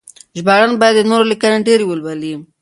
ژباړن باید د نورو لیکنې ډېرې ولولي.